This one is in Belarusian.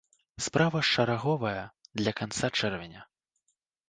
Справа шараговая для канца чэрвеня.